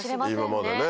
今までね。